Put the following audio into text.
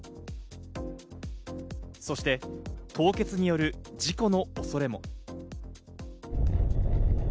そして凍結による事故の恐れも。